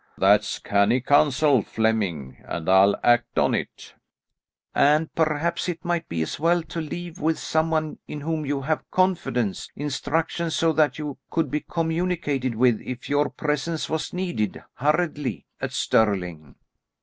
"That's canny counsel, Flemming, and I'll act on it." "And perhaps it might be as well to leave with some one in whom you have confidence, instructions so that you could be communicated with if your presence was needed hurriedly at Stirling."